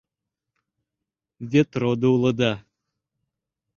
Вет родо улыда.